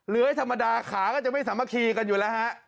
ธรรมดาขาก็จะไม่สามัคคีกันอยู่แล้วฮะ